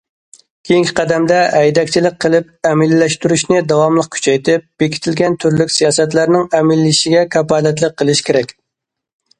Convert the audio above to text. كېيىنكى قەدەمدە، ھەيدەكچىلىك قىلىپ ئەمەلىيلەشتۈرۈشنى داۋاملىق كۈچەيتىپ، بېكىتىلگەن تۈرلۈك سىياسەتلەرنىڭ ئەمەلىيلىشىشىگە كاپالەتلىك قىلىش كېرەك.